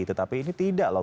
tetapi ini tidak loh